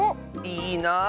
いいなあ。